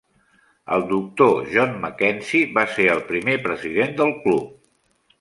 El doctor John Mackenzie va ser el primer president del club.